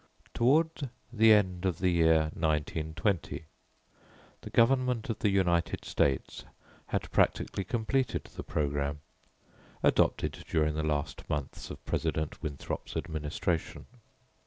Toward the end of the year 1920 the Government of the United States had practically completed the programme, adopted during the last months of President Winthrop's administration.